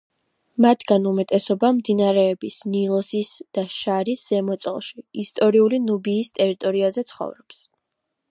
მათგან უმეტესობა მდინარეების ნილოსის და შარის ზემოწელში, ისტორიული ნუბიის ტერიტორიაზე ცხოვრობს.